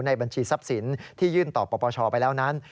บัญชีทรัพย์สินที่ยื่นต่อปปชไปแล้วนั้น